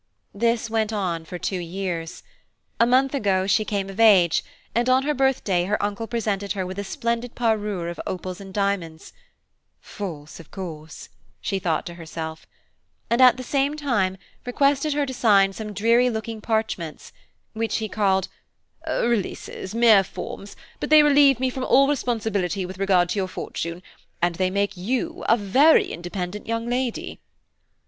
This went on for two years. A month ago she came of age, and on her birthday her uncle presented her with a splendid parure of opals and diamonds, ("false, of course," she thought to herself) and, at the same time, requested her to sign some dreary looking parchments, which he called "releases–mere forms; but they relieve me from all responsibility with regard to your fortune, and they make you a very independent young lady."